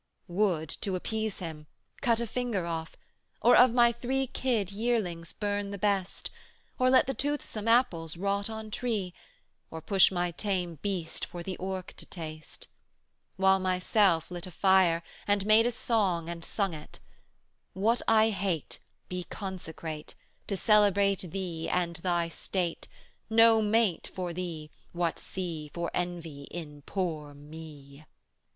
270 'Would, to appease Him, cut a finger off, Or of my three kid yearlings burn the best, Or let the toothsome apples rot on tree, Or push my tame beast for the orc to taste: While myself lit a fire, and made a song 275 And sung it, "_What I hate, be consecrate To celebrate Thee and Thy state, no mate For Thee; what see for envy in poor me?